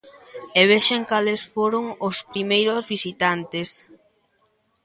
E vexan cales foron os primeiros visitantes...